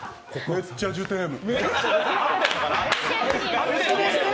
めっちゃジュテーム。